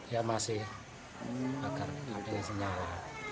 ya masih terbakar ada sinyal